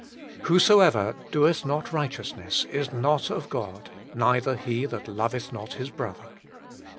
' Whosoever doeth not righteousness is not of God, neither he that loveth not his brother.'